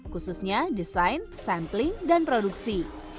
khususnya desain sampling dan produksi